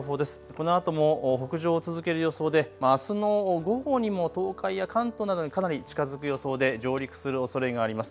このあとも北上を続ける予想であすの午後にも東海や関東などにかなり近づく予想で上陸するおそれがあります。